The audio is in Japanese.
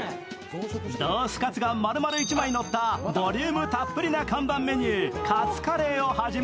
ロースカツが丸々１枚のったボリュームたっぷりな看板メニュー、カツカレーをはじめ、